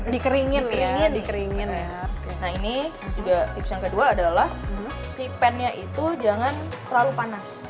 dikeringin ini dikeringin ya nah ini juga tips yang kedua adalah si pen nya itu jangan terlalu panas